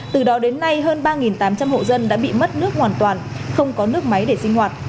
từ đó đến nay hơn ba tám trăm linh hộ dân đã bị mất nước hoàn toàn không có nước máy để sinh hoạt